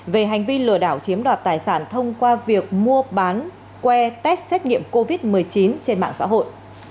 về hành vi lừa đảo chiếm đoạt tài sản thông qua việc mua bán que test xét nghiệm covid một mươi chín trên mạng xã hội